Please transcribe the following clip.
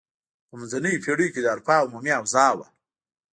په منځنیو پیړیو کې د اروپا عمومي اوضاع وه.